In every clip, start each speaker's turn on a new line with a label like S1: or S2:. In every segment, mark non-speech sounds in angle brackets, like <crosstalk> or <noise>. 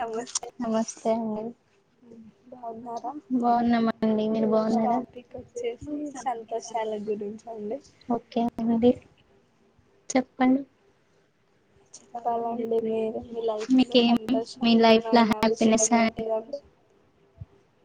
S1: నమస్తే
S2: నమస్తే అండి
S1: బాగున్నారా
S2: బాగున్నామండి మీరు
S1: ఈరోజు
S2: బాగున్నారా
S1: టాపిక్ వచ్చేసి సంతోషాల గురించి అండి
S2: ఓకే అండి చెప్పండి
S1: చెప్పాలండి మీరు మీ లైఫ్ లో
S2: మీకేం మీ లైఫ్ లో
S1: సంతోషంమైన
S2: హ్యాపీనెస్
S1: విషయం ఏంటిదంటే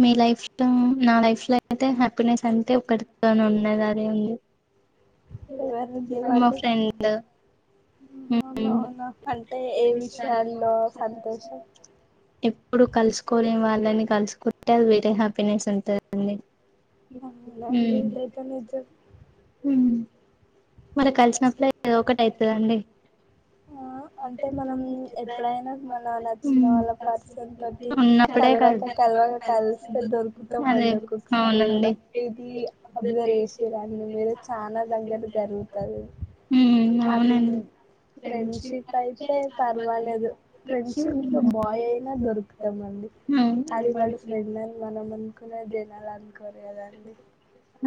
S2: మీ లైఫ్ లో నా లైఫ్ లో అయితే హ్యాపీనెస్ అంటే ఒకటితో ఉన్నది అదే ఉంది
S1: ఎవరండీ
S2: మా
S1: వాళ్ళు
S2: ఫ్రెండ్ ఉమ్
S1: అంటే ఏ విషయాల్లో సంతోషం
S2: ఎప్పుడు కలుసుకోలేని వాళ్ళని కలుసుకు టే వేరే హ్యాపీనెస్ ఉంటదండి
S1: లెండి ఇదైతే నిజం
S2: హ్మ్ మరి కలిసినప్పుడే ఏదో ఒకటి అయితుదండి
S1: ఆ అంటే మనం ఎప్పుడైనా మన నచ్చిన వాళ్ళ పర్సన్ తోటి
S2: ఉన్నప్పుడే కాదు
S1: కలవక కలవ కలిస్తే
S2: అదే
S1: దొరుకుతామండి ఒక్కొక్కసారి
S2: అవునండి
S1: కూడా ఇది అబ్జర్ చేస్ ఇలాని మీరు చానా దగ్గర జరుగుతాయి
S2: ఉమ్
S1: అది
S2: అవునండి
S1: ఫ్రెండ్షిప్ అయితే పర్వాలేదు ఫ్రెండ్షిప్ లో బాయ్ అయినా దొరుకుతామండి
S2: ఉమ్
S1: అది వాడు ఫ్రెండ్ అని మనం అనుకునే జనాలు అనుకోరు కదా అండి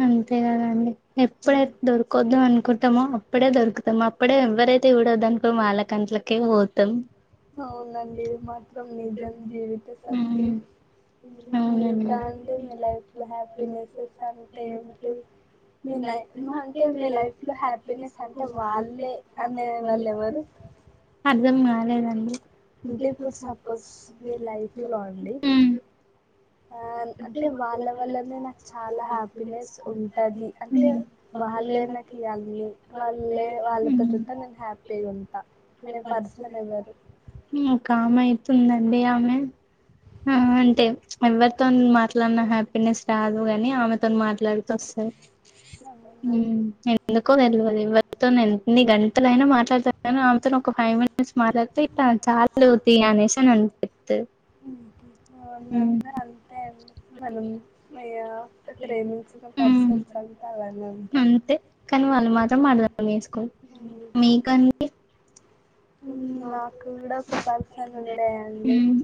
S2: అంతే కదండి ఎప్పుడైతే దొరకదు అనుకుంటామో అప్పుడే దొరుకు అప్పుడే ఎవరైతే కూడ దానుకో మాల గంటలకే పోతాం
S1: అవునండి ఇది మాత్రం నిజం జీవిత
S2: ఉమ్
S1: సత్యం
S2: అవునండి
S1: ఇంకా అంటే మీ లైఫ్లో హ్యాపీనెస్సెస్ అంటే ఏమిటి అంటే మీ లైఫ్ లో హ్యాపీనెస్ అంటే వాళ్ళే అనే వాళ్ళు ఎవరు
S2: అర్ధం కాలేదండి
S1: అంటే ఇప్పుడు సపోజ్ మీ లైఫ్ లో అండి
S2: ఉమ్
S1: ఆ అంటే వాళ్ళ వల్లనే నాకు చాలా హ్యాపీనెస్ ఉంటది అంటే వాళ్ళే నాకు అన్ని
S2: వాళ్ళు
S1: వాళ్ళే వాళ్ళతోటి ఉంటే నేను హ్యాపీ అ ఉంటా అనే పర్సన్ ఎవరు
S2: ఒక ఆమె అయితుందండి ఆమె ఆ అంటే ఎవరితో మాట్లాడిన హ్యాపీనెస్ రాదు గాని ఆమెతో మాట్లాడితే వస్తది
S1: అవునా
S2: ఎందుకో తెలవదు ఎవ్వరితో ఎన్ని గంటల అయినా మాట్లాడుతగని అమెతో ఒక ఫైవ్ మినిట్ చి మాట్లాడితే ఇట్లా చాలుతీ అనేసి అనన్
S1: అవునా అండి అంతే అండి మల్లున్ మయ్యో ప్రేమించిన
S2: హ్మ్
S1: పర్సన్స్ అంతా అలానే ఉంటారు
S2: కనీ వాళ్ళు మాత్రం అర్థం చేస్కోరు మీకన్
S1: ఉమ్ నాకు గుడా ఒక పర్సన్ ఉండే అండి
S2: హ్మ్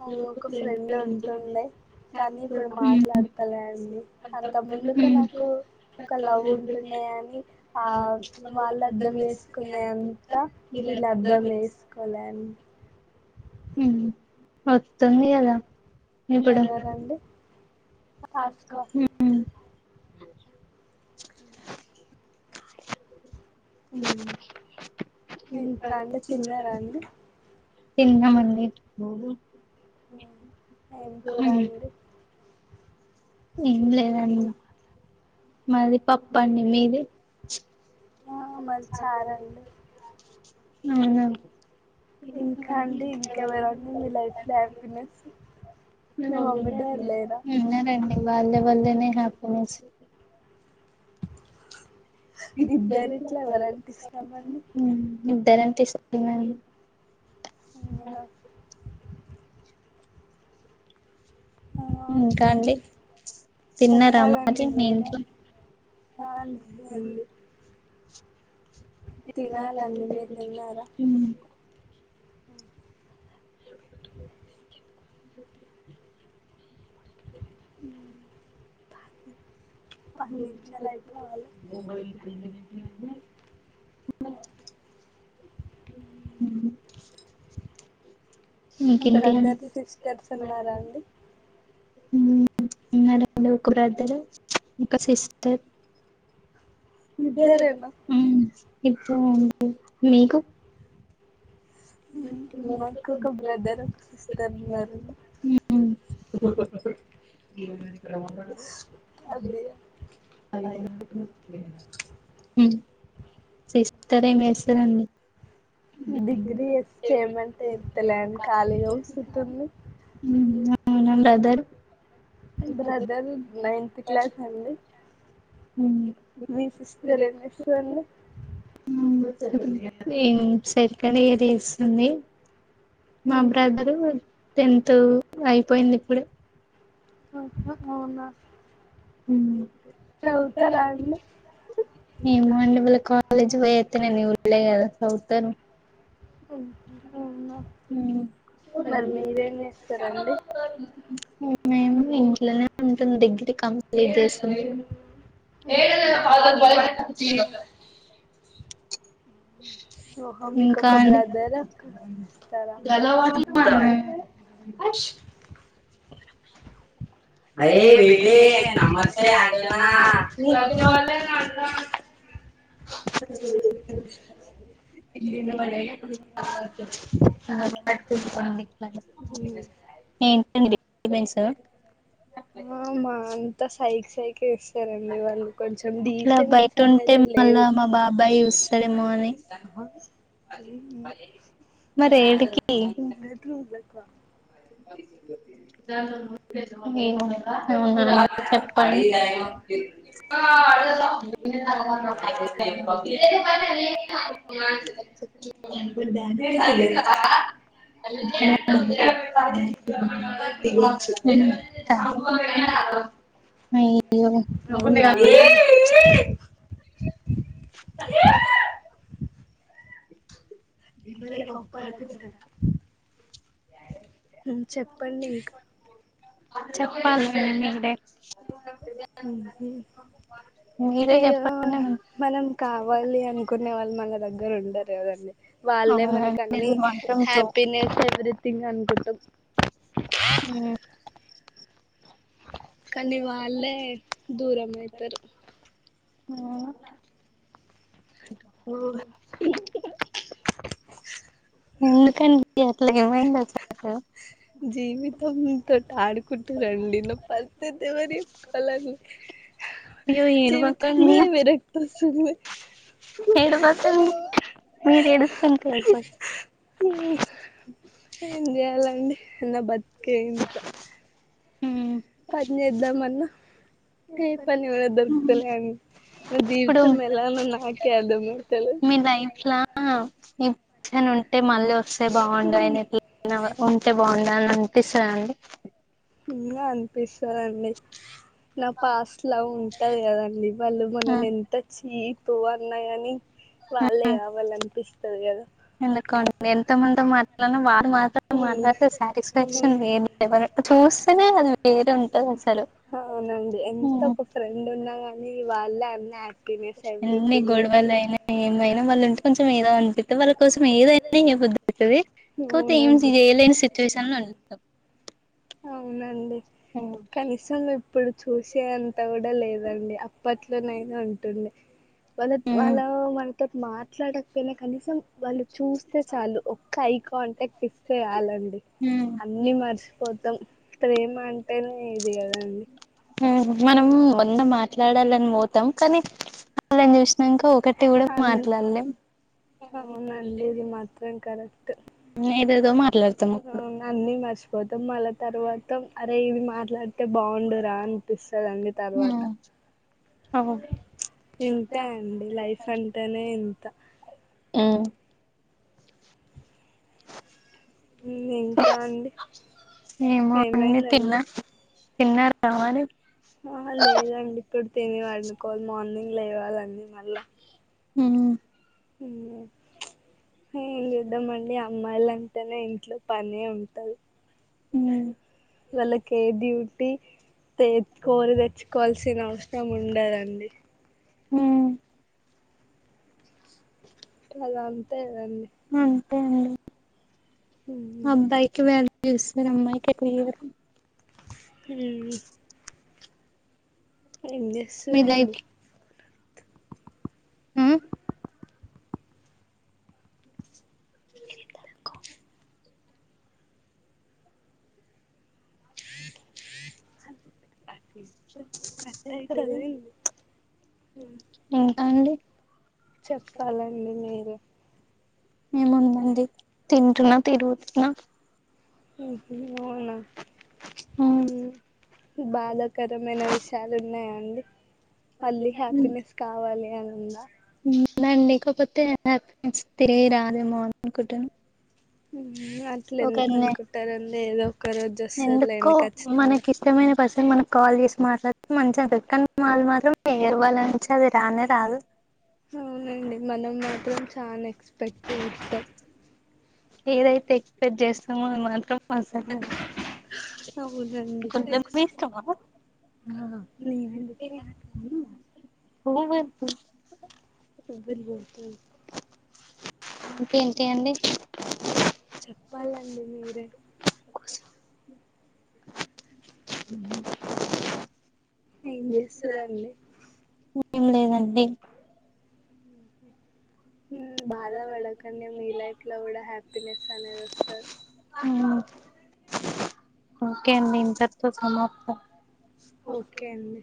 S1: అ ఒక ఫ్రెండ్ ఉంటుండే కనీ ఇప్పుడు
S2: హ్మ్
S1: మాట్లాడతలే అండి అంతముందుకు
S2: హ్మ్
S1: నాకు ఒక లవ్ ఉంటుండె గని ఆ వాళ్ళర్థం చేసుకునే అంతా వీళ్ళర్థం చేసుకోలే అన్
S2: ఉమ్ హ్ వస్తుంది గదా
S1: ఎవరండి టాస్క
S2: హ్మ్ ఉమ్
S1: ఇంకా
S2: ఇంకండి
S1: అండి
S2: తిన్నరా
S1: తిన్నారా
S2: అండి తిన్నమండి
S1: ఎంకూర
S2: హ్మ్.
S1: అండి
S2: ఏం లేదండి మాది పప్పండి మీది
S1: ఆ మాది చారండి
S2: అవునా
S1: ఇంకా అండి ఇంకెవరేన్న మీ లైఫ్ లో హ్యాపీనెస్ మీ మమ్మీ డాడీ లేరా
S2: ఉన్నరండి వాళ్ళ వాళ్ళనే హ్యాపీనెస్
S1: ఇద్దరిట్లా ఎవరంటే ఇష్టమండి
S2: హ్మ్ ఇద్దరంటే ఇష్టమేనండి
S1: ఇంగ నాక్ ఆ
S2: ఇంకా అండి తిన్నరా మరి
S1: చెప్పాలండి
S2: మీ
S1: మీరే
S2: ఇంట్లో
S1: ఆ లేదండి తినాలండి
S2: ఉమ్
S1: అ ఉమ్ పది నిమిషాలైపోవాలె <unintelligible>
S2: ఇంకేంటి అండి
S1: బ్రదర్స్ సిస్టర్స్ ఉన్నరా అండి
S2: ఉమ్ ఉన్నారండి ఒక బ్రదర్, ఒక సిస్టర్
S1: ఇద్దరేనా
S2: ఉమ్ ఇద్దరండి మీకు
S1: నాకు ఒక బ్రదర్, ఒక సిస్టర్ ఉన్నారండి అదే అయ్యో
S2: సిస్టరేం చేస్తరండి
S1: డిగ్రీ ఎస్ చేయమంటే చెత్తలే ఖాళీగా కుసుంటుంది
S2: హ్మ్ అవున బ్రదర్
S1: బ్రదర్ నైన్త్ క్లాస్ అండి
S2: ఉమ్
S1: మీ సిస్టర్ ఏం జేస్తదండి
S2: ఉమ్ సెకండ్ ఇయర్ జేస్తుంది మా బ్రదరు టెన్త్ అయిపోయింది ఇప్పుడే
S1: ఆహ అవునా
S2: ఉమ్
S1: చవుతరా అండి
S2: ఏమో అండి వల్ల కాలేజీ కి పొయ్యత్తనే నేను చుల్లె కదా ఉత్తగనే
S1: అవునా మరి మీరేం చేస్తారండి
S2: మేము ఇంట్లోనే ఉంటుంది డిగ్రీ కం ఎంచేస్తున్నావ్
S1: ఓహో మీకు
S2: ఇంకా
S1: ఒక
S2: అండి
S1: బ్రదర్ స్తారా <inaudible> రేయ్ బేటే నమస్తే అంటనా
S2: ఇ మ <inaudible> ఏంటండి డిస్టేబెన్స్
S1: ఆ మా అంతా సైకి సైకి ఎస్ ఎవరండి వాళ్ళు కొంచం
S2: ఇట్లా బయట
S1: డీసెంట్స్
S2: ఉంటే
S1: అనేదే
S2: మళ్ళా
S1: లేదు
S2: మా బాబాయ్ చూస్తాడేమో అని
S1: అ
S2: మరి ఎడికి
S1: బెడ్రూమ్ల వ
S2: <inaudible> అవునా చెప్పండి <inaudible> <inaudible> <unintelligible> అయ్యే దేవుడా <unintelligible> <inaudible>
S1: చెప్పండి ఇంకా
S2: చెప్పాల్నే ముందే మీరే
S1: ఇగో
S2: చెప్పండి
S1: మనం కావాలి అనుకునే వాళ్ళు మన దగ్గర ఉండరు కదండి వాళ్ళే మనకి
S2: అవునండి
S1: అన్ని
S2: ఇది మాత్రం ట్రూ
S1: హ్యాపీనెస్ ఎవ్రీథింగ్ అనుకుంటాం
S2: ఉ
S1: కానీ వాళ్ళే దూరం అయితరు
S2: <inaudible> ఎందుకండి అసలు ఏమైంది అసలు
S1: జీవితంతో ఆడుకుంటున్నారండీ నా పరిస్థితి ఎవరికి చెప్పుకోవాలి అండి
S2: అయ్యో ఏడవకండి
S1: జీవితంలో విరక్తి వస్తుంది
S2: ఎడ్వకండి మీరు ఏడుస్తుంటే ఏడుపోస్తుంది
S1: ఏం చెయాలండి నా బతుకే ఇంత పనిచేద్దమన్న ఏ పని కూడా దొరుకుతలే అండి నా
S2: ఇప్పుడు
S1: జీవితం ఎలా న నాకే అర్థం అయితలేదు
S2: అట్లా ఇట్లనే ఉంటే మళ్ళీ వస్తే బాగుండు ఆయనకి ఉంటే బాగుండు అని అనిపిస్తదండి
S1: ఇగా అనిపిస్తదండి నా పాస్ట్ లవ్ ఉంటది కదండి వాళ్ళు మనల్ని ఎంత చీప్ అన్నగానీ వాళ్ళే కావాలి అనిపిస్తది కదా
S2: ఎందుకో ఎంత మంది తో మాట్లాడిన వాళ్ళు మాత్రం మాన్నతొ సాటిస్ఫాక్షన్ వేమె ఎవరు తూస్తేనే అది వేరే ఉంటది అసలు
S1: అవునండి
S2: ఉమ్
S1: ఎంతకు ఫ్రెండ్ ఉన్నా గాని వాళ్ళే అన్ని అ
S2: ఎన్ని గోడవాలుఅయినా ఏమైనా వాళ్ళుంటే కొంచెం ఏదో అనిపత్తె వాళ్ళ కోసం ఏదైనా చెయి పొద్దుతది కొతే ఏంజి
S1: అవునండి
S2: ఎలెన్స్ సిచువెషన్ అంట
S1: అవునండి కనీసం ఇప్పుడు చూసే అంత గుడా లే రండి అప్పట్లోనైనా ఉంటుంది వాళ్ళప్ వాళ్ళ వా కట్ మాట్లాడక పొయిన కనీసం వాళ్ళు చూస్తే చాలు ఒక్క ఐ కాంటాక్ట్ ఇస్తే ఆలండి అన్ని మర్చ పోతాం ప్రేమ అంటేనే ఇది కదండి.
S2: మ్ మనం మన్న మాట్లాడాలని బొతాం కానీ లాన్ చూసినాక్క ఒకటి గుడా
S1: అన్
S2: మాట్లాడలేం
S1: అవునండి ఇది మాత్రం కరట్టు
S2: ఏదొ ఏదొ మాట్లాడతాం అప్పుడు
S1: న్ అన్ని మర్చిపోతాం మళ్ళ తర్వాత అరే ఇది మాట్లాడితే బావుండురా అనిపిస్తదండి తర్వాతా
S2: అవు
S1: ఇంతే అండి లైఫ్ అంటేనే ఇంత
S2: ఉ
S1: ఇంకా అండి
S2: ఏమో
S1: ఏమైందండి
S2: అన్నితిన్నా తిన్న హమని
S1: ఆహ లేదండి ఇక్కడి తిని అండుకోవాలి మార్నింగ్ లేవలండి మళ్ళా
S2: మ్
S1: మ్ మ్ యుద్దమండి అమ్మాయిల అంటేనే ఇంట్లో పనే ఉంటది.
S2: మ్
S1: వాళ్లకి ఏ డ్యూటి తెచ్ కోర తెచ్చుకోవాల్సిన అవసరం ఉండదండి
S2: మం
S1: మల్ల అంతేగదండి
S2: అంతే అండి అబ్బాయికి వ్యలువ్ ఇస్తారు అమ్మాయికె ఎక్కవ ఇగుడద
S1: తినెవి ఎం
S2: మీ
S1: జెస్తరండి
S2: లైఫ్ మ్
S1: నెను బ్యకొ కట్ అయితదా ఏంది
S2: ఉంటా అండి
S1: చెప్పాలం మీరె
S2: ఎముంది మంది తింటున్నాం తిరుగుతున్నాం
S1: హు హు ఏమన్నా
S2: ఉమ్
S1: మ్ బాధాకరమైన విషయాలు ఉన్నాయా అండి మళ్ళీ హ్యాపీనెస్ కావాలి అని ఉందా
S2: మ్ ల్య అండి లెకపోతే హ్యాపీనెస్ తిరిగి రాదేమో అనుకుంటను
S1: మ్ అట్ల ఎందుకు అనుకుంటారండి ఏదో ఒక రోజు జస్తది లేండి కచ్చితంగా
S2: ముఖ్యమైన పర్సన్ మనక్ కాల్ చేసి మాట్లాడితే మంచిగా అనిపిస్తది కాని వాళ్ళ మాత్రం వేరే వాళ్ళనుంచి అది రానే రాదు
S1: అవునండి మనం మాత్రం చానా ఎక్స్పెక్ట్ చేతాం
S2: ఏదైతే ఎక్స్పెక్ట్ చేస్తమో అది మాత్రం అసలు
S1: అవునండి
S2: కొంచెం
S1: ఎక్స్
S2: మీ ఇష్టమా
S1: ఆ న్లీ
S2: <unintelligible>
S1: ఉబ్బిర్లు కొడుతూ
S2: ఇకేంటి అండి
S1: చెప్పాలండి మీరే
S2: కోసు
S1: ఊహు ఏం చేసురండి?
S2: ఏం లేదండి
S1: ఉ బాధ పడకండి. మీ లైఫ్ల కూడ హ్యాపీనెస్ అనేది వస్తద్
S2: ఉ ఒకే అండి ఇంతటీతో సమాప్తం.
S1: ఓకే అండి